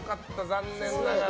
残念ながら。